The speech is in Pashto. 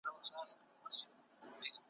چی له ظلمه تښتېدلی د انسان وم `